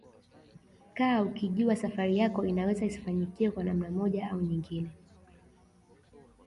kaa ukijua safari yako inaweza isifanikiwe kwa namna moja au nyingine